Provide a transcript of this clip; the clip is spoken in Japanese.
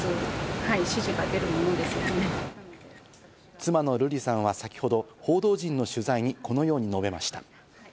妻の瑠麗さんは先ほど報道陣の取材にこのように述べました。